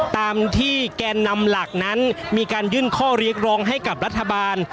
ตามที่แกนนำหลักนั้นมีการยื่นข้อเรียกร้องให้กับรัฐบาล